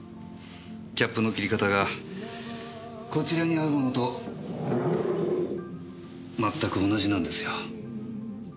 キャップの切り方がこちらにあるものと全く同じなんですよ。